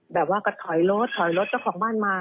แบบว่าก็ถอยรถถอยรถเจ้าของบ้านมา